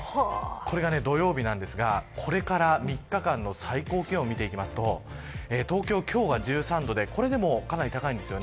これが土曜日なんですがこれから３日間の最高気温見てみると東京は１３度でこれでもかなり高いです。